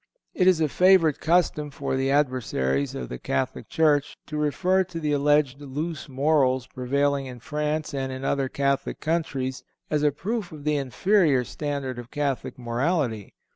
It is a favorite custom for the adversaries of the Catholic Church to refer to the alleged loose morals prevailing in France and in other Catholic countries as a proof of the inferior standard of Catholic morality.